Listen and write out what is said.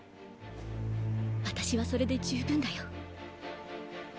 私はそれで十分だよ。